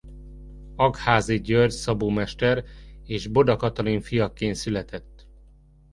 Aggházy György szabómester és Boda Katalin fiaként született.